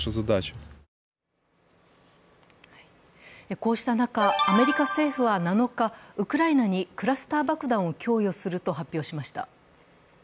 こうした中、アメリカ政府は７日、ウクライナにクラスター爆弾を供与すると発表しました。